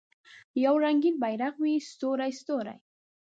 یو رنګین بیرغ وي ستوری، ستوری